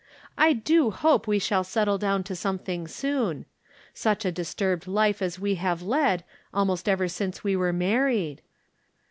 I do hope we shall settle down to something soon. Such a disturbed life as we have led almost ever since we were married.